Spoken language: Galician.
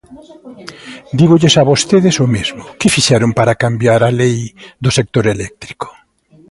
Dígolles a vostedes o mesmo: ¿que fixeron para cambiar a Lei do sector eléctrico?